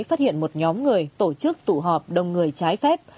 phát hiện một nhóm người tổ chức tụ họp đông người trái phép